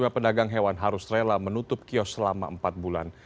dua puluh pedagang hewan harus rela menutup kios selama empat bulan